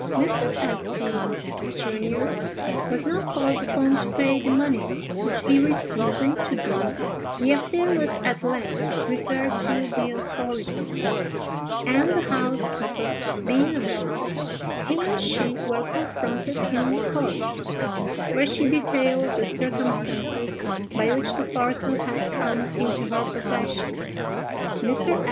Mr. St. ——, jr., was now called upon to pay the money, which he refusing to do, the affair was at length referred to the authorities; and the housekeeper being arrested, he and she were confronted in the court, where she detailed the circumstances by which the parcel had come into her possession. Mr.